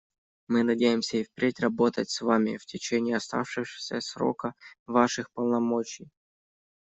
Мы надеемся и впредь работать с Вами в течение оставшегося срока Ваших полномочий.